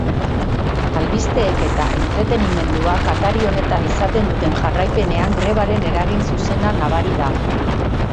Albisteek eta entretenimenduak atari honetan izaten duten jarraipenean grebaren eragin zuzena nabari da.